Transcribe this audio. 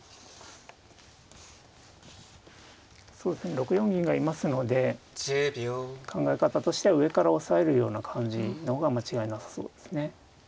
６四銀がいますので考え方としては上から押さえるような感じの方が間違いなさそうですね。